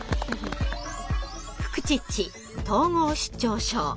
「フクチッチ」統合失調症。